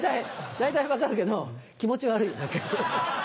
大体分かるけど気持ち悪い何か。